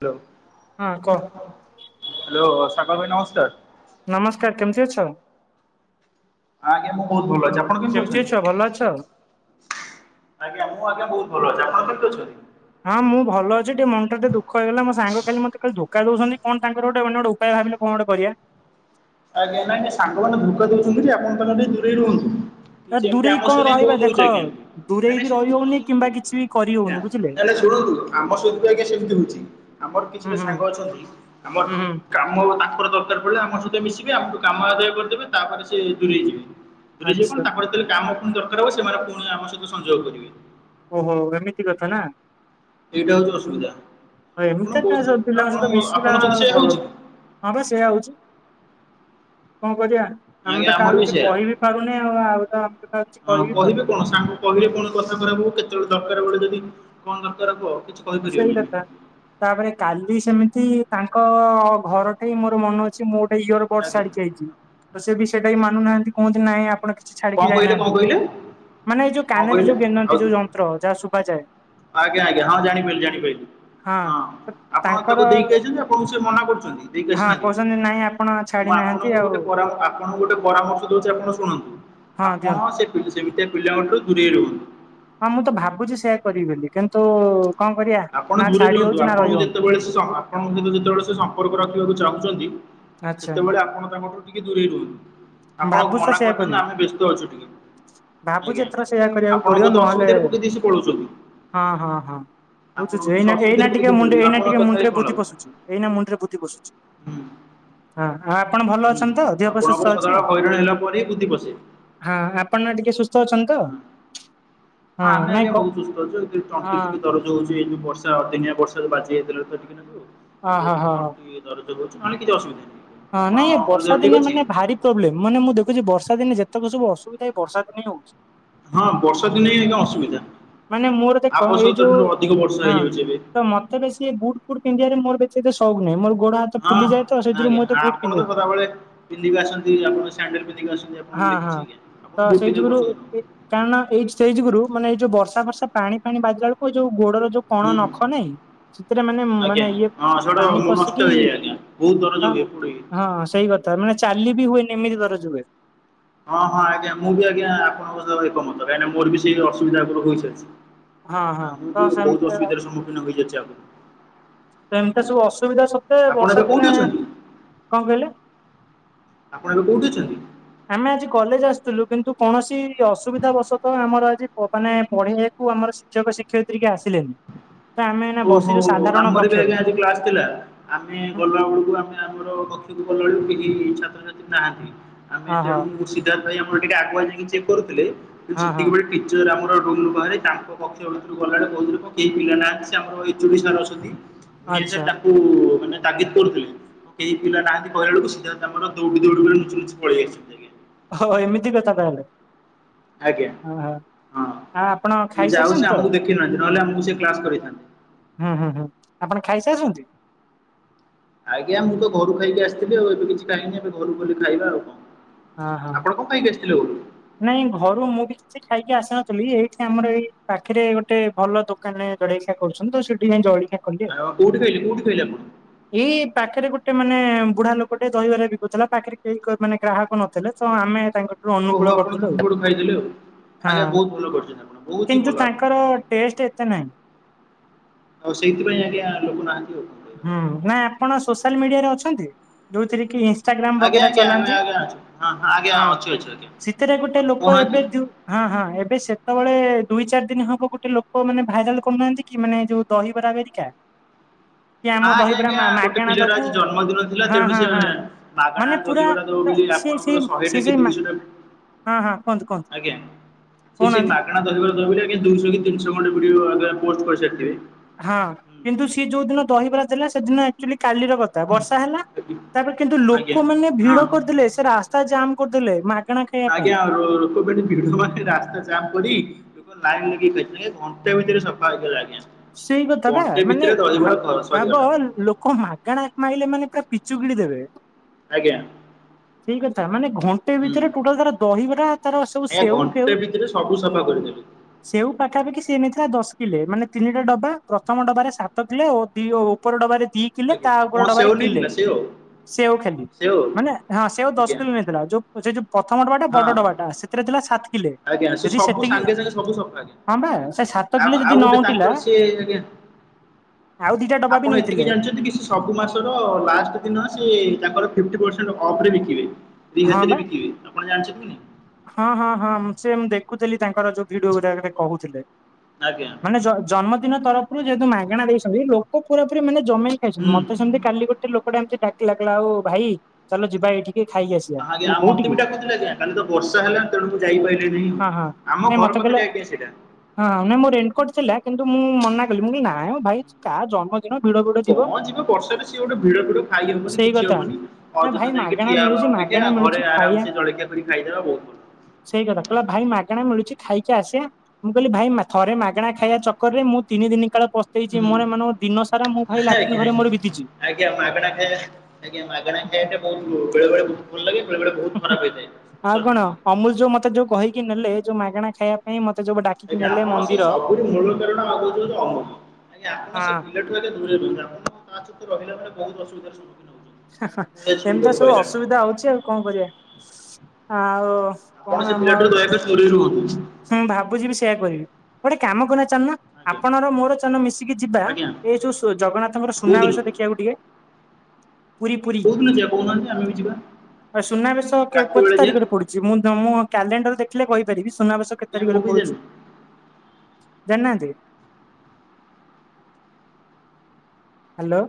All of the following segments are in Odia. ହାଲୋ। ହଁ କହ? ହାଲୋ, ସାଗର ଭାଇ ନମସ୍କାର। ନମସ୍କାର କେମିତି ଅଛ? ହଁ ଆଜ୍ଞା ମୁଁ ବହୁତ ଭଲ ଅଛି। ଆପଣ କେମିତି ଅଛ ଅଛନ୍ତି? ଭଲ ଅଛ? ଆଜ୍ଞା ମୁଁ ଆଜ୍ଞା ବହୁତ ଭଲ ଅଛି ଆପଣ କେମିତି ଅଛନ୍ତି? ହଁ ମୁଁ ଭଲ ଅଛି ଟିକେ ମନଟା ଦୁଃଖ ହେଇଗଲା ମୋ ସାଙ୍ଗ ଖାଲି ମୋତେ ଧୋକା ଦଉଛନ୍ତି କଣ ତାଙ୍କର ଗୋଟେ ଗୋଟେ ଉପାୟ ଭାବିଲ କଣ ଗୋଟେ କରିବା? ଆଜ୍ଞା ନାଇଁ ସାଙ୍ଗମାନେ ଧୋକା ଦଉଛନ୍ତି ଆପଣ ତାଙ୍କେ ଟିକେ ଦୂରେଇ ରୁହନ୍ତୁ। କି ଆ ସେମିତି ଦୂରେଇ ଆମ କଣ ସହିତଁ କହୁ ରହିବା ଦେଖ ରହୁଛି ଆଜ୍ଞା ନାଇଁ ଦୂରେଇ ବି ନାଇଁ ରହି ଶୁଣନ୍ତୁ ହଉନି ଶୁଣନ୍ତୁ କିମ୍ବା କିଛି ବି କରି ଆଜ୍ଞା। ହଉନି ବୁଝିଲେ ନାଇ ନାଇଁ ଶୁଣନ୍ତୁ ଆମ ସହିତ ବି ଆଜ୍ଞା ସେମିତି ହଉଛି ଆମର ହୁଁ କିଛିଟା ହୁଁ ସାଙ୍ଗ ଅଛନ୍ତି ଆମର ହୁଁ ହୁଁ କାମ ତାଙ୍କର ଦରକାର ପଡିଲା ଆମ ସହିତ ମିଶିବେ ଆମକୁଠୁ କାମ ଆଦାୟ କରିଦେବେ ତାପରେ ସେ ଦୂରେଇଯିବେ। ଦୂରେ କଣ ଆଚ୍ଛା ତା ଯେତେଳେ କାମ ପୁଣି ଦରକାର ହବ ସେମାନେ ପୁଣି ଆମ ସହିତ ସଂଯୋଗ କରିବେ। ଓହୋ ଏମିତି କଥା ନା। ଏଇଟା ହଉଚି ଅସୁବିଧା। ହ ଆପଣ ଏମିତିଆ ତା ବହୁତ ସହ ପିଲାଙ୍କ ଆପଣ ସହିତ ଆପଣ ମିଶିଲା ଯଦି ସେଇଆ ଭଲ ହେଉଛି ନୁ ହଁ ବା ସେଆ ହଉଚି କଣ କରିବା। ଆମେ ଆଜ୍ଞା ତ ଆମର ବି କାହାକୁ କିଛି ସେଇଆ କହିିବି ପାରୁନେ ଆଉ ଆଉ ତ ଆମେ ତ କାହା କିଛି ହଁ କହିିବି କହିବେ ପାରୁନି। କଣ ସାଙ୍ଗ କହିଲେ କଣ କଥା ଖରାପ ହବ କେତେବେଳେ ଦରକାର ବେଳେ ଯଦି କଣ ଦରକାର ହବ କିଛି ହ କହିପାରିବେନି ସେଇ ଆମେ କଥା। ତାପରେ କାଲି ସେମିତି ତାଙ୍କ ଘରଠେଇ ମୋର ମନେ ଅଛି ମୋ ଇୟର ବଡ ଆଜ୍ଞା ଛାଡିକି ଆଇଛି ତ ସେ ବି ସେଇଟା ବି ମାନୁ ନାହାନ୍ତି କହନ୍ତି ନାଇଁ ଆପଣ କି ଛି କଣ ଛାଡିକି କହିଲେ କଣ ଯାଇନାହାନ୍ତି କହିଲେ ମାନେ ଏଇ ଯୋଉ କଣ କାନରେ କହିଲେ ଯୋଉ ଆଉ ଗେନନ୍ତି ଯୋଉ ଯନ୍ତ୍ର ଯାହା ଶୁଭାଯାଏ। ଆଜ୍ଞା ଆଜ୍ଞା ହଁ ଜାଣି ପାରିଲି ଜାଣି ପାଇଲି। ହଁ ଆପଣ ତାଙ୍କର ତାକୁ ଦେଇକି ଆସିଚନ୍ତି ଆପଣଙ୍କୁ ସେ ମନା କରୁଚନ୍ତି ଦେଇକି ହଁ ଆସିନାହାନ୍ତି। କହୁଛନ୍ତି ନାଇଁ ଆପଣ ଛାଡି ମୁଁ ନାହାନ୍ତି ଆପଣଙ୍କୁ ଆଉ ଗୋଟେ ପରା ଆପଣଙ୍କୁ ଗୋଟେ ପରାମର୍ଶ ଦଉଚି ଆପଣ ଶୁଣନ୍ତୁ ହଁ ଆପଣ ଦିଅନ୍ତୁ। ସେ ସେମିତିଆ ପିଲାଙ୍କଠୁ ଦୂରେଇ ରୁହନ୍ତୁ। ହଁ ମୁଁ ତ ଭାବୁଚି ସେୟା କରିବି ବୋଲି କିନ୍ତୁ କଣ କରିବା ଆପଣ ନା ଦୂରେ ଛାଡି ରୁହନ୍ତୁ ହଉଛି ନା ରହି ଆପଣଙ୍କୁ ହଉନି। ଯେତେବେଳେ ସ ଆପଣଙ୍କ ସହିତ ଯେତେବେଳେ ସେ ସମ୍ପର୍କ ରଖିବାକୁ ଚାହୁଁଚନ୍ତି ଆଚ୍ଛା ସେତେବେଳେ ଆପଣ ତାଙ୍କଠୁ ଟିକେ ଦୂରେଇ ରୁହନ୍ତୁ ଆପଣ ଭାବୁଛି ତ ମନା ସେୟା କରି ଦିଅନ୍ତୁ କରିବି ଆମେ ବ୍ୟସ୍ତ ଅଛୁ ଟିକେ। ଭାବୁଛି ଆଜ୍ଞା ଏଥର ସେୟା କରିବାକୁ ପଡିବ ଆପଣଙ୍କୁ ତ ନହେଲେ ଅସୁବିଧାରେ ପକେଇ ଦେଇ ସେ ପଳଉଚନ୍ତି। ହଁ ହଁ ହଁ ବୁଝୁଛି ତ ସେ ଏଇ ଅସୁବିଧାରେ ଏଇନା ପକେଇ ଟିକେ ଦେଇ ପଳଉଛନ୍ତି ମୁଣ୍ଡ ଏଇନା ଆପଣ ଟିକେ କଥା ହେଇ ମୁଣ୍ଡରେ କଣ ଲାଭ। ବୁଦ୍ଧି ପଶୁଚି। ଏଇନା ମୁଣ୍ଡରେ ବୁଦ୍ଧି ପଶୁଚି। ହୁଁ ହଁ ଆ ଆପଣ ଭଲ ହୁଁ ଅଛନ୍ତି ତ ଦେହ ପା ଆପଣଙ୍କର ସୁସ୍ଥ ଅଛି? ସଦାବେଳେ ହଇରାଣ ହେଲା ପରେ ହିଁ ବୁଦ୍ଧି ପଶେ। ହଁ ଆପଣ ନା ଟିକେ ସୁସ୍ଥ ଅଛନ୍ତି ତ? ହଁ ହଁ ଆମେ ନାଇଁ ଆଜ୍ଞା କ ବହୁତ୍ ସୁସ୍ଥ ଅଛୁ ଏଇ ତଣ୍ଟି ହଁ ଟିକେ ଦରଜ ରହୁଚି ଏଇ ଯଉ ବର୍ଷା ଅଦିନିଆ ବର୍ଷା ବାଜିଯାଇଥିଲା ତ ଟିକେ ନାକୁ ଅ ହ ତ ହ ଟିକେ ତଣ୍ଟି ଦରଜ ହଉଚି ନହେଲେ କିଛି ଅସୁବିଧା ନାହିଁ। ହଁ ନାଇଁ ଏ ଆପଣଙ୍କର ବର୍ଷା ଦେହ ଠିକ୍ ଦିନେ ଅଛି। ମାନେ ଭାରି ପ୍ରୋବଲେମ ମାନେ ମୁଁ ଦେଖୁଚି ବର୍ଷା ଦିନେ ଯେତକ ସବୁ ଅସୁବିଧା ଏଇ ବର୍ଷ ଦିନେ ହଉଚି। ହଁ ବର୍ଷା ଦିନେ ହିଁ ଆଜ୍ଞା ଅସୁବିଧା। ମାନେ ମୋର ଦେଖ ଏଇ ଆବଶ୍ୟକତା ଯୋଉ ଠାରୁ ଅଧିକ ବର୍ଷା ହଁ ହେଇଯାଉଛି ଏବେ ତ ମ ମତେ ବେଶୀ ବୁଟ ଫୁଟ ପିନ୍ଧିଆରେ ମୋର ବେଶି ଏତେ ସଉକ ନାହିଁ ମୋର ଗୋଡ଼ ହାତ ଫୁଲି ଯାଏ ତ ସେଥିରୁ ମୁଁ ଏତେ ବୁଟ ପିନ୍ଧେନି। ତା ଭଳେ ପିନ୍ଧିକ ଆସନ୍ତି ଆପଣ ସାଣ୍ଡେଲ ପିନ୍ଧିକି ଆସନ୍ତି ଆପ ହଁ ହଁ ତ ସେଇ ଯୁଗୁରୁ ଏ କାଣ ଏଇ ସେଇ ଯୁଗୁରୁ ମାନେ ଏ ଯୋଉ ବର୍ଷା ଫର୍ଷା ପାଣି ପାଣି ବାଜିଲା ବେଳକୁ ଏଇ ଯୋଉ ଗୋଡର ଯୋଉ କଣ ହୁଁ ନଖ ନାଇଁ ସେଥିରେ ମାନେ ଆଜ୍ଞା ମାନେ ଇଏ ହଁ ସେଗୁଡା ପାଣି ମୋ ନଷ୍ଟ ପଶିକି ହେଇଯାଏ ଆଜ୍ଞା ବହୁତ ଦରଜ ହଁ ହୁଏ ପୋଡେ। ହଁ ସେଇ କ ତା ମାନେ ଚାଲି ବି ହୁଏନ ଏମିତି ଦରଜ ହୁଏ। ହଁ ହଁ ଆଜ୍ଞା ମୁଁ ବି ଆଜ୍ଞା ଆପଣଙ୍କ ସହ ଏକମତ କାହିଁକି ନା ମୋର ବି ସେଇ ଅସୁବିଧା ପୁର ହୋଇସାରଚି। ହଁ ଆ ହଁ ମୁଁ ତ ବି ବହୁତ ସେମିତି ଅସୁବିଧାର ସମ୍ମୁଖୀନ ହେଇଯାଇଛି ଆଗରୁ। ତ ଏମିତିଆ ହୁଁ। ସବୁ ଅସୁବିଧା ସତ୍ତ୍ୱେ ଆପଣ ଏବେ ବର୍ଷା କୋଉଠି ଦିନେ ଅଛନ୍ତି କଂ କହିଲେ? ଆପଣ ଏବେ କୋଉଠି ଅଛନ୍ତି? ଆମେ ଆଜି କଲେଜ ଆସୁଥିଲୁ କିନ୍ତୁ କୌଣସି ଅସୁବିଧା ବଶତଃ ଆମର ଆଜି କ ମାନେ ପଢେଇବାକୁ ଆମର ଶିକ୍ଷକ ଶିକ୍ଷୟିତ୍ରୀ କିଏ ଆସିଲେନି। ତ ଆମେ ଏଇନା ଓହୋ ବସିଛୁ ସାଧାରଣ ଆମର ବି କକ୍ଷରେ। ଆଜ୍ଞା ଆଜି କ୍ଲାସ ଥିଲା। ଆମେ ଗଲା ବେଳକୁ ଆମେ ଆମର କକ୍ଷକୁ ଗଲାବେଳକୁ କେହି ଛାତ୍ରଛାତ୍ରୀ ନାହାନ୍ତି। ଆମେ ଓହୋ ତେଣୁ ସିଧାର୍ଥ ଭାଇ ଆମର ଟିକେ ଆଗୁଆ ଯାଇକି ଚେକ୍ କରୁଥିଲେ କିନ୍ତୁ ହଁ ହଁ ହଁ ସେତିକିବେଳେ ଟିଚର ଆମର ରୁମରୁ ବାହାରି ତାଙ୍କ କକ୍ଷ ଭିତରକୁ ଗଲା ବେଳକୁ କହୁଥିଲେ କେହି ପିଲା ନାହାନ୍ତି। ଆମର ଏଚ୍ଓଡ଼ି ସାର୍ ଅଛନ୍ତି ଭୁଇଁଆଁ ସାର୍ ଆଚ୍ଛା ତାଙ୍କୁ ମାନେ ତାଗିଦ କରୁଥିଲେ। କେହି ପିଲା ନାହାନ୍ତି କହିବା ଏଳକୁ ସିଧା ତାମର ଦୌଡି ଦୌଡି ବେ ନୁଚି ନୂଚି ପଳେଇଆଇସନ୍ତି। ହୋ ଓ ଏମିତି କଥା ତାହେଲେ। ଆଜ୍ଞା ହଁ ହଁ ହଁ ଆ ଆପଣ ଆମେ ଯାଉ ଖାଇସାରିଛନ୍ତି ସେ ତ ଆମକୁ ଦେଖେଇନାହାନ୍ତି ନହେଲେ ଆମକୁ ସେ କ୍ଲାସ କରିଥାନ୍ତି। ହୁଁ ହୁଁ ହୁଁ ଆପଣ ଖାଇସାରିଚନ୍ତି। ଆଜ୍ଞା ମୁଁ ତ ଘରୁ ଖାଇକି ଆସିଥିଲି ଆଉ ଏବେ କିଛି ଖାଇନି ଏବେ ଘରୁ ଖଲି ଖାଇବା ଆଉ କଂ ହଁ ହଁ ଆପଣ କଂ ପାଇ ଆସିଥିଲୁ। ନାଇଁ ଘରୁ ମୁଁ ବି କିଛି ଖାଇକି ଆସିନଥିଲି ଏଇଠି ଆମର ଏଇ ପାଖରେ ଗୋଟେ ଭଲ ଦୋ- - କାନ ଜା କରୁଚନ୍ତି ତ ସେଠିଁ ଜାଇ ଜଳଖିଆ - - ହାଲୋ କୋଉଠି ଥୋଇଲେ କୋଉଠି ଥୋଇଲେ ଆପଣ? ଏଇ ପାଖରେ ଗୋଟେ ମାନେ ବୁଢା ଲୋକଟେ ଦହିବାରେ ବିକୁଥିଲା ପାଖରେ କେହି ମାନେ ଗ୍ରାହକ ନ - - ଥିଲେ ତ ଆମେ ତାଙ୍କଠୁ ଓହୋ ଆପଣ ତାଙ୍କୁ ଠୁ ଖାଇଦେଲେ ଆଉ। ଆଜ୍ଞା ଆଉ ହଁ ବହୁତ ଭଲ କରିଚନ୍ତି ଆପଣ ବହୁତ ହିଁ କିନ୍ତୁ ଭଲ ତାଙ୍କର ଆପଣ। ଟେଷ୍ଟ ଏତେ ନାହିଁ ଆଉ ସେଇଥିପାଇଁ ଆଜ୍ଞା ଲୋକ ନାହାନ୍ତି ଆଉ। କରିବା। ହୁଁ ନାଇଁ ଆପଣ ସୋସିଆଲ ମିଡିଆରେ ଅଛନ୍ତି ଯୋଉଥିରେ କି- - ଇନାଗ୍ରାମ ଆଜ୍ଞା ବଗେରା ଆଜ୍ଞା ଆମେ ଚଲାନ୍ତି ଆଜ୍ଞା ଅଛୁ ହଁ ଆଜ୍ଞା ହଁ ଅଛୁ ଅଛୁ ଆଜ୍ଞା। ସେଥିରେ ଗୋଟେ ଆଉ ଲୋକ କହୁନାହାନ୍ତି। ଏବେ ଉ- - ହଁ ହଁ ଏବେ ସେତେବେଳେ ଦୁଇ ଚାରି ଦିନ ହବ ଗୋଟେ ଲୋକ ମାନେ ଭାଇରାଲ କରୁନାହାନ୍ତି। କି ମାନେ ଯୋଉ ଦହିବରା ବେରିକା। ନା ଆଜ୍ଞା ଆଜ୍ଞା ଗୋଟେ ମାଗଣା ପିଲାାର ଦବୁ ଆଜି ଜନ୍ମଦିନ ଥିଲା ହଁ ତେଣୁ ହଁ ସେ ହଁ ମାଗଣା ମାନେ ପୁରା ଗହିବରା ଦଉ ବୋଲି ସିଏ ଆପଣ- - ସେଇ ପୁରା ସିଏ ଶହେଟା କି ସେଇ ମା ଦୁଇଶହଟା- - ହଁ ହଁ କୁହନ୍ତୁ କୁହନ୍ତୁ କହୁନାହାନ୍ତି। ତା ଦହିବରା ଦବ ବୋଲି ଆଜ୍ଞା ଦୁଇଶ ତିିହ ଖଣ୍ଡେ ଭିଡିଓ ପୋଷ୍ଟ କରିସାରିିଥିବେ। ହଁ କିନ୍ତୁ ସିଏ ଯୋଉ ଦିନ ଦହିବରା ଥିଲା ସେଦିନ ଆକ୍ଚୁଆଲି କାଲିର କ ଥା ବର୍ଷା ହେଲା। ହୁଁ। ତାପରେ କିନ୍ତୁ ଆଜ୍ଞା ଲୋକମାନୋନ ହଁ ଭିଡ କରିଦେଲେ ସେ ରାସ୍ତା ଜାମ୍ କରିଦେଲେ ମାଗଣା ଖାଇବା ପାଇଁ ଆଜ୍ଞା ରୋ - - ଭିଡ ମାନେ ରାସ୍ତା ଜାମ୍ କରି ଲୋକ ଲାଇନ ଲଗେଇ ଖାଇଥିଲେ ଘଣ୍ଟା ଭିତରେ ସଫା ହେଇଥିଲା ଆଞା। ସେଇ କଥା ବା ମାନେ ଭାବ ଘ ଭାବ ସରିଗଲା ଲୋ - - କ ମାଗଣା ମାଇଲେ ମାନେ ପୁରା ପିଚୁ ଗିଳି ଦେବେ। ଆଜ୍ଞା ସେଇ କଥା ମାନେ ଘଣ୍ଟେ ହୁଁ। ଭିତରେ ଟୋଟାଲ ତାର ଦହିବରା ତାର ସବୁ ସେଉ ଫେଉ- - ସେଟ ସବୁ ସଫା କରିଦେଲେ। ସେଉ ପାଖାପାଖି ସିଏ ନେଇଥିଲା ଦଶ କିଲେ ମାନେ- - ତିନିଟା ଡବା ପ୍ରଥମ ଡବାରେ ସାତ କିଲୋ ଓ ଦି ଉପର ଡବାରେ ଦି କିଲେ ଆଜ୍ଞା ତା ଉପରେ କଣ ଡକାରେ ସେଓ କିଲେ ନେଇଥିଲା ସେଓ? ସେ ଆଉ ଖାଲି ସେଓ ମାନେ ହଁ ସେ ଆଉ ଆଜ୍ଞା ଦଶ କିଲୋ ନେଇଥିଲା ଯୋଉ- - ସେ ଯୋଉ ପ୍ରଥମ ଡବାଟା ହଁ ବଡ ଡବାଟା। ସେଥିରେ ଥିଲା ସାତ କିଲେ। ଆଜ୍ଞା ସେ ଯଦି ସବୁ ସେତିକି ସାଙ୍ଗେ ସାଙ୍ଗେ ସବୁ ସଫା ଆଜ୍ଞା। ହଁ ବା ସେ ଆଜ୍ଞା, ସାତ କିଲେ ଆ ଯଦି ଆଉ ନ ଗୋଟେ ତା ଉଠିଲା ତାଙ୍କର ସେ ହେଲେ, ଆଉ ଦିଟା ଡବା ବି ଆପଣ ଏତିକି ନେଇଥିଲେ ଜାଣିଛନ୍ତି କି ସେ ସବୁ ମାସର ଲାଷ୍ଟ ଦିନ ସେ ତାଙ୍କର ଫିଫଟି ପରସେଣ୍ଟ ଅଫରେ ବିକିବେ। ହଁ ରିହାତିରେ ବା ବିକିବେ। ଆପଣ ଜାଣିଛନ୍ତି କି ନାଇଁ? ହଁ ହଁ ହଁ, ମୁଁ ସେ ମୁଁ ଦେଖୁଥିଲି ତାଙ୍କର ଯୋଉ ଭିଡିଓ ଗୁଡା ଏବେ ସେ କହୁଥିଲେ। ଆଜ୍ଞା। ମାନେ ଜନ ଜନ୍ମଦିନ ତରଫରୁ ଯେହେତୁ ମାଗଣା ଦେଇସନ୍ତି ଲୋକ ପୁରା ପୁରି ମାନେ ଜମେଇ ଖାଇସିନ୍ତି। ହୁଁ। ମତେ ସେମିତି କାଲି ଗୋଟେ ଗୋଟେ ଲୋକଟା ଏମିତି ଡାକିଲା, କହିଲା ଆଉ ଭାଇ ଚାଲ ଯିବା ଏଇଠିକି ଖାଇ ଆସିଆ। ମୁଁ ଆଜ୍ଞା କହିଲି ମତେ କଉଠିକି? ବି ଡାକୁଥିଲେ କାଲି ତ ବର୍ଷା ହେଲା, ତେଣୁ ମୁଁ ଯାଇପାଇଲିନି। ହଁ ହଁ ଆମ ନାଇଁ ଘର ମତେ କହିଲା ପାଖରେ [unintelligible] ସେଇଟା। ହଁ, ନାଇଁ ମୋ ରେନକୋଟ ଥିଲା କିନ୍ତୁ ମୁଁ ମନା କଲି। ମୁଁ କହିଲି ନାଇଁ ଭାଇ ତା ଜନ୍ମ କଣ ଯିବ ବର୍ଷାରେ ସିଏ ଗୋଟେ ଭିଡ ଫିଡ଼। ଖାଇ ହବନି, ସେଇ କିଛି କଥା ହବନି, ନା ଭାଇ ଅଯଥା ଯାଇକି ମାଗଣା ଠିଆ ହେବା ମିଳୁଛି ଅପେକ୍ଷା ମାଗଣା କ୍ଷା, ମିଳୁଛି ଘରେ ଖାଇବା ଆରାମସେ ଜଳଖିଆ କରି ଖାଇଦେବା ବହୁତ ଭଲ। ସେଇ କଥା। କହିଲା ଭାଇ ମାଗଣା ମିଳୁଛି ଖାଇକି ଆସିଆ। ମୁଁ କହିଲି ଭାଇ ମା ଥରେ ମାଗଣା ଖାଇବା ଚକରରେ ମୁଁ ତିନି ଦିନି କାଳ ପସ୍ତେଇ ପସ୍ତେଇଛି। ହୁଁ ମୋର ମାନେ ଦିନ ସାରା ମୁଁ ଭାଇ ଆଜ୍ଞା ଲାରଟିନ ଘରେ ଆଜ୍ଞା ମୋର ବିତିଛି। ଆଜ୍ଞା ମାଗଣା ଖାଇଆ, ଆଜ୍ଞା ମାଗଣା ଖାଇବାଟା ବହୁତ ଲୋ। ବେଳେ ବେଳେ ଭଲ ଲାଗେ। ବେଳେବେଳେ ବହୁତ ଖରାପ ହେଇଥାଏ ଆଉ କଣ ଶରୀର ପାଇଁ। ଅମୁଲ ଯୋଉ ମତେ ଯୋଉ କହିକି ନେଲେ ଯୋଉ ମାଗଣା ଖାଇବା ନାଇ ମତେ ଯୋଉ ଡାକି ଏବେ ଆପଣ ସେଇ ସବୁରି ମୂଳ କାରଣ ଭାବୁଛି ବୋଧେ ଅମୁଲୁ। ଆପଣ ହଁ ସେ ପିଲାଠୁ ଏବେ ରହିବିନି ଆଉ, ତା ସହିତ ରହିଲା ପରେ ବହୁ ଅସୁବିଧାର ସମ୍ମୁଖୀନ ହେଉଛନ୍ତି। ମୁଁ ଯାହା ଏମିତି ତ ଶୁଣିବାକୁ ସବୁ ପାଇଲାଣି ଅସୁବିଧା ହଉଛି ଆଉ କଣ କରିବା? ଆଉ ତମେ ସେ ପିଲାଠାରୁ ଦୟାକରି ଦୁରେଇ ରୁହନ୍ତୁ। ହଁ ଭାବୁଛିି ବି ସେଇୟା କରିବି। ଗୋଟେ କାମ କରୁନା ଚାଲୁନ ଆଜ୍ଞା ଆପଣର ମୋର ଚାଲୁନ ମିଶିକି ଯିବା, ଆଜ୍ଞା ଏଇ ଯୋଉ ସୁ ଜଗନ୍ନାଥଙ୍କର କୋଉଦିନ ସୁନାବେଶ ଦେଖି ଖିଆକିଆକୁ ଟିକେ। ପୁରୀ, ପୁରୀ। କୋଉଦିନ ଯିବା କହୁନାହାନ୍ତି ଆମେ ବି ଯିବା। ଆଉ ସୁନାବେଶ କେ ରାତି କୋତେ ବେଳେ ଯିବା ତାରିଖରେ ପଡୁ ଚି, ମୁଁ ତମ କ୍ୟାଲେଣ୍ଡର ଦେଖିଲେ କହିପାରିବି ସୁନାବେଶ କେତ ଆଜ୍ଞା ମୁଁ ତାରିଖରେ ବି ପଡୁଛି? ଜାଣିନି ଜାଣିନାହାନ୍ତି? ହ୍ୟାଲୋ।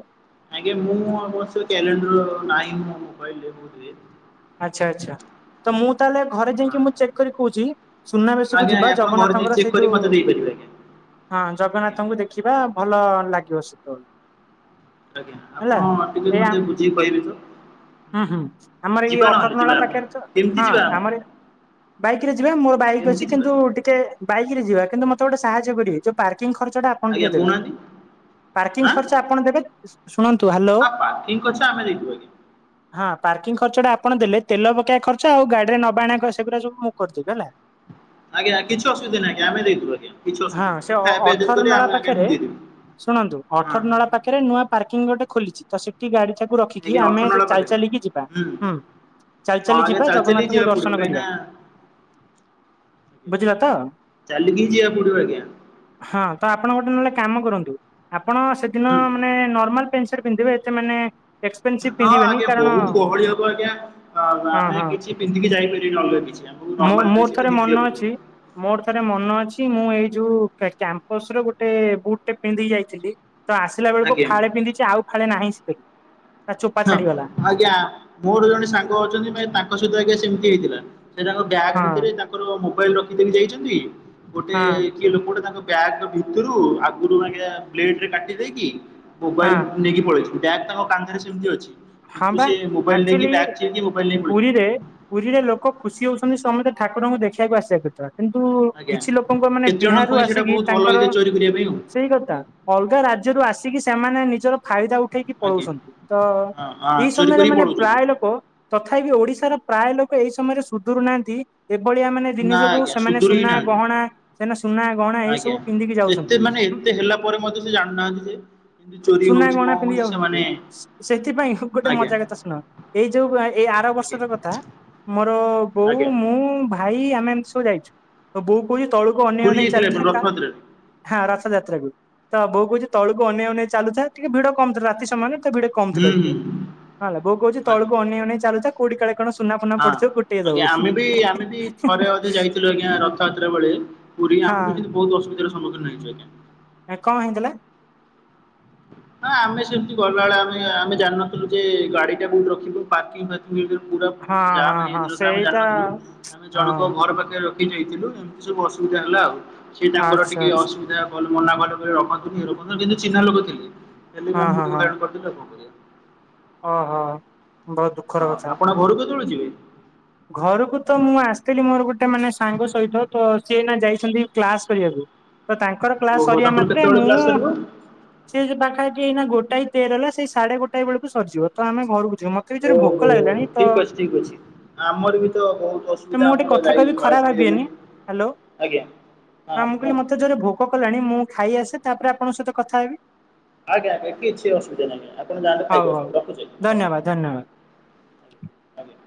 ଆଜ୍ଞା, ମୁଁ ଅବଶ୍ୟ କ୍ୟାଲେଣ୍ଡର ନାହିଁଁ ମୋ ମୋବାଇଲରେ ବୋଧ ହୁଏ। ଆଚ୍ଛା, ଆଚ୍ଛା ତ ମୁଁ ତାହେଲେ ଘରେ ହଁ ଯାଇଁକି ମୁଁ ଚେକ୍ କରି କହୁଛି ସୁନାବେଶ କୁ ଆଜ୍ଞା ଆଜ୍ଞା ଯିବା। ଆପଣ ଘରେ ଯାଇ ଜଗନ୍ନାଥଙ୍କର ଚେକ୍ ସେଇ କରି ଯୋଉ ମତେ ଦେଇପାରିବେ ଆଜ୍ଞା। ହଁ ଆଜ୍ଞା ଜଗନ୍ନାଥଙ୍କୁ ଦେଖିବା। ଭଲ ଲାଗିବ ସେତେବେଳକୁ। ଆଜ୍ଞା ହେଲା। ଆପଣ ଟିକେ ଏଡ଼ା ମତେ ଆମ ବୁଝିକି କହିବେ ତ। ହୁଁ, ହୁଁ ଆମର ଏଇ ଏଇ ଯିବା ନହେଲେ ଯିବା ଅଠରନଳା ଆମେ ପାଖରେ ତ କେମିତି ହଁ ଯିବା ଆମେ ଆମରି ବାଇକ ରେ ଯିବା। ମୋ ବାଇକ୍ କେମିତି ଅଛି ଯିବା କିନ୍ତୁ ଟିକେ ବାଇକ ରେ ଯିବା କିନ୍ତୁ ମତେ ଗୋଟେ ସାହାଯ୍ୟ କରିବେ। ଯୋଉ ପାର୍କିଂ ଖର୍ଚ୍ଚଟା ଆପଣ ଆଜ୍ଞା ଟିକେ ଦେବେ। କହୁନାହାନ୍ତି ପାର୍କିଂ ଆଁ ଖର୍ଚ୍ଚ ଆପଣ ଦେବେ ତ? ଶୁଣନ୍ତୁ ହ୍ୟାଲୋ, ହଁ ପାର୍କିଂ ଖର୍ଚ୍ଚ ଆମେ ଦେଇଦେବୁ ହଁ ପାର୍କିଂ ଖର୍ଚ୍ଚଟା ଆପ ଆପଣ ଦେଲେ ତେଲ ପକେଇବା ଖର୍ଚ୍ଚ ଆଉ ଗାଡିରେ ନବା ଆଣିବା ଖ ସେଗୁରା ସବୁ ମୁଁ କରିଦେବି ହେଲା। ଆଜ୍ଞା, କିଛି ଅସୁବିଧା ନାହିଁ। ଆମେ ଦେଇଦବୁ ଆଜ୍ଞା, କିଛି ହଁ ଅସୁବିଧା ନାହିଁ। ଆମେ ଖାଇବା ପିଇବା ଦେଇକରି ଆମେ ଆଜ୍ଞା ପାଖରେ ମୁଁ ଦେଇଦେବି। ଶୁଣନ୍ତୁ ହଁ ଅଠର ନଳା ପାଖରେ ନୂଆ ପାର୍କିଂ ଗୋଟେ ଖୋଲିଛି। ତ ସେଠି ଗାଡି ଟାକୁ ରଖିକି ଆଜ୍ଞା ଆମେ ଅଠରନଳା ସେ ଚାଲି ପାଖରେ ଚାଲିକି ଯିବା ହୁଁ। ଚାଲି ହଁ ଚାଲି ଆଜ୍ଞା ଯିବା, ଚାଲି ଜଗନ୍ନାଥଙ୍କୁ ଯିବାକୁ ପଡ଼ିବ ଦର୍ଶନ କାହିଁକି କରିବା। ନା ଆଜ୍ଞା ବୁଝିଲ ତ? ଚାଲିକି ଯିଆକୁ ପଡିବ ଆଜ୍ଞା। ହଁ। ତ ଆପଣ ଗୋଟେ ନହେଲେ କାମ କରନ୍ତୁ। ଆପଣ ସେଦିନ ହୁଁ ମାନେ ନରମାଲ ଫେଜ ଫେରେ ପିନ୍ଧିବେ ସେ ମାନେ। ଏକ୍ସପେନସିଭ ହଁ ପିନ୍ଧିବେନି ଆଜ୍ଞା, କାରଣ ବହୁତ ଗହଳି ହବ ଆଜ୍ଞା। ହଁ ଆମେ କିଛି ପିନ୍ଧିକି ଯାଇପାରିବାନି ଅଲଗା କିଛି ଆମକୁ ମୋ ନର୍ମାଲ ମୋର ଡ୍ରେସ୍ ହିଁ ଥରେ ପିନ୍ଧିକି ମନେ ଯିବାକୁ ଅଛି ପାଡ଼ିବ। ମୋର ଥରେ ମନ ଅଛି ମୁଁ ଏଇ ଯୋଉ କ୍ୟାମ୍ପସ ରେ ଗୋଟେ ବୁଟଟେ ପିନ୍ଧି କି ଯାଇଥିଲି। ତ ଆସିଲା ବେଳକୁ ଆଜ୍ଞା ଫାଳେ ପିନ୍ଧିଛି ଆଉ ଫାଳେ ନାହିଁ ସେଥିରୁ। ତା ଚୋପା ହଁ ଛାଡିଗଲା ଆଜ୍ଞା ମୋର ଜଣେ ସାଙ୍ଗ ଅଛନ୍ତି ତାଙ୍କ ସହିତ ଆଜ୍ଞା ସେମିତି ହେଇଥିଲା। ସେ ତାଙ୍କ ବ୍ୟାଗ୍ ହଁ ଭିତରେ ତାଙ୍କର ମୋବାଇଲ ରଖିଦେଇକି ଯାଇଛନ୍ତି ଗୋଟେ ହଁ କି ଲୋକ ଗୋଟେ ତାଙ୍କ ବ୍ୟାଗ ଭିତରୁ ଆଗରୁ ଆଜ୍ଞା ବ୍ଲେଡରେ କାଟି ଦେଇକି ହଁ ମୋବାଇଲ [unintelligible] ନେଇକି ପଳେଇଛନ୍ତି। ବ୍ୟାଗ୍ ତାଙ୍କ କାନ୍ଧରେ ସେମିତି ଅଛି। ହଁ କିନ୍ତୁ ବା ସିଏ ମୋବାଇଲ ନେଇଁ କି ଆକ୍ଚୁଆଲି ବ୍ୟାଗ ଚିରିକି ମୋବାଇଲ ନେଇ କି ପଳେଇଛି। ପୁରୀରେ ପୁରୀରେ ଲୋକ ଖୁସି ହଉଛନ୍ତି ସମସ୍ତେ ଠାକୁରଙ୍କୁ ଦେଖିବାକୁ ଆସିବା କଥା। କିନ୍ତୁ ଆଜ୍ଞା। କିଛି ଲୋକଙ୍କ ମାନେ କେତେ ଜଣଙ୍କ ବିହାରରୁ ପାଇଁ ସେଇଟା ଆସିକି ବହୁତ ଭଲ ତାଙ୍କର-। ହେଇଥାଏ ଚୋରି କରିବା ପାଇଁ ଆଉ ସେଇ କଥା। ଅଲଗା ରାଜ୍ୟରୁ ଆସିକି ସେମାନେ ନିଜର ଫାଇଦା ଉଠେଇକି ଆଜ୍ଞା। ପଳଉଛନ୍ତି। ତ ହଁ ହଁ ଏଇ ଚୋରି ସମୟରେ କରିକି ମାନେ ପଳଉଛନ୍ତି ପ୍ରାୟ ଲୋକ, ତଥାପି ଓଡିଶାର ପ୍ରାୟ ଲୋକ ଏଇ ସମୟରେ ସୁଧୁରୁ ନାହାନ୍ତି ଏଭଳିଆ ମାନେ ନା ଜିନିଷ କୁ ଆଜ୍ଞା ସେମାନେ ସୁଧୁରୁ ହିଁ ସୁନା, ନାହାନ୍ତି। ଗହଣା, ସେ ମାନେ ସୁନା ଗହଣା ଏଇ ସବୁ ଆଜ୍ଞା ପିନ୍ଧିକି ଯାଉଛନ୍ତି ଏତେ ମାନେ ଏତେ ହେଲା ପରେ ମଧ୍ୟ ସେ ଜାଣିନାହାନ୍ତି ଯେ ଏମିତି ଚୋରି ସୁନା ହଉଛି ଗଣା କଣ ପିନ୍ଧି ହଉଛି ଯାଉଛନ୍ତି। ସେମାନେ ସେଥିପାଇଁ ଗୋଟେ ଆଜ୍ଞା ମଜା କଥା ଶୁଣ। ଏଇ ଯୋଉ ଆ ଏଇ ଆର ଆଜ୍ଞା ବର୍ଷର କଥା। ମୋର ବୋଉ ଆଜ୍ଞା ମୋ ମୁଁ, ଭାଇ ଆମେ ଏମତି ସବୁ ଯାଇଛୁ। ମୋ ବୋଉ କହୁଛି ତଳୁକୁ ଅନେଇ ପୁରୀ ଅନେଇ ଯାଇଥିଲେ ଆପଣ ଚାଲିଥା କା ରଥଯାତ୍ରାରେ? ହଁ ରଥଯାତ୍ରାକୁ। ତ ବୋଉ କହୁଛି ତଳକୁ ଅନେଇ ଅନେଇ ଚାଲୁଥା। ଟିକେ ଭିଡ କମ ଥିଲା ରାତି ସମୟରେ। ତ ଭିଡ କମ ଥିଲା ହୁଁ ଟିକେ। ହୁଁ ହଁ ହେଲା ବୋଉ କହୁଛି ଆଜ୍ଞା ତଳକୁ ଅନେେଇ ଅନେଇ ଚାଲୁ ଥା। କୋଉଠି କାଳେ କଣ ସୁନା ଫୁନା ହଁ। ପଡିଥିବ ଗୋଟେଇ ଦବୁ। ଆଞା ଆମେ ବି, ଆମେ ବି ଥରେ ଅଧେ ଯାଇଥିଲୁ ଆଜ୍ଞା ରଥଯାତ୍ରା ବେଳେ। ପୁରୀ। ଆମେ ବି କିନ୍ତୁ ହଁ ବହୁତ ଅସୁବିଧା ର ସମ୍ମୁଖନ ହେଉଛୁ ଆଜ୍ଞା। କାଇଁ, କଣ ହେଇଥିଲା? ହଁ ଆମେ ସେମିତି ଗଲାବେଳେ ଆମେ, ଆମେ ଜାଣିନଥିଲୁ ଯେ ଗାଡି ଟା କୋଉଠି ରଖିବୁ। ପାର୍କିଂ, ଫାର୍କ ପୁରୀ ଭିତରେ ପୁରା ହଁ ଜାମ ହଁ ହଁ ହେଇଯାଇଥିଲା ତ ଆମେ ସେଇଟା ଜାଣିନଥିଲୁ। ଆମେ ଜଣଙ୍କ ହଁ ଘର ପାଖରେ ର ଖି ଦେଇଥିଲୁ। ଏମିତି ସବୁ ଅସୁବିଧା ହେଲା ଆଉ। ସେ ତାଙ୍କର ଆଚ୍ଛା ଟିକେ ଆଚ୍ଛା ଅସୁବିଧା କଲେ ମନା କଲେ। କହିଲେ ରଖନ୍ତୁନି। କିନ୍ତୁ ଚିହ୍ନା ଲୋକ ଥିଲେ। ହେଲେ ବି ହଁ ଆମକୁ ଟିକେ ହଇରାଣ କରିଦେଲେ ଆଉ କଣ କରିଆ। ହଁ ହଁ। ବହୁତ ଦୁଃଖର ହଁ। କଥା। ଆପଣ ଘରକୁ କେତେବେଳେ ଯିବେ? ଘରକୁ ତ ମୁଁ ଆସିଥିଲି ମୋର ଗୋଟେ ମାନେ ସାଙ୍ଗ ସହିତ ତ ସିଏ ଏଇନା ଯାଇଛନ୍ତି କ୍ଲାସ କରିବାକୁ। ତ ତାଙ୍କର କ୍ଲାସ ଓହୋ ସରିବା ତାଙ୍କର ମାତ୍ରେ କେତେବେଳେ କ୍ଲାସ୍ ମୁଁ ସରିବ? ସେ ଯେ ପାଖାପାଖି ଏଇ ନା ଗୋଟଏ ତେର ହେଲା ସେଇ ସାଢେ ଗୋଟାଏ ବେଳକୁ ସରିଯିବ ତ ଆମେ ଘରକୁ ଯିବୁ। ମତେ ବି ଜୋରେ ଭୋକ ଓହୋ? ଲାଗିଲାଣି ତ ଠିକ ଅଛି, ଠିକ ଅଛି। ଆମର ବି ତ ବହୁତ ନା ଅସୁବିଧା ମୁଁ ଗୋଟେ ଆମର କଥା ଯାଇ କହିବି କ୍ଲାସ୍ ଖରାପ ବି ଭାବିବେନି। ହେଲାନି ହ୍ୟାଲୋ। ଆଜ୍ଞା ହଁ ମୁଁ କହିଲି ମତେ ଜୋରେ ଭୋ କ କିଲଣି ମୁଁ ଖାଇ ଆସେ ତାପରେ ଆପଣଙ୍କ ସହିତ କଥା ହେବି। ଆଜ୍ଞା ଆଜ୍ଞା। କିଛି ଅସୁବିଧା ନାହିଁ। ଆପଣ ଯାଆନ୍ତୁ ହଉ ଖାଇକି ହଉ ଆସନ୍ତୁ। ରଖୁଛି ଧନ୍ୟବାଦ ନମସ୍କାର। ଧନ୍ୟବାଦ। ଆଜ୍ଞା।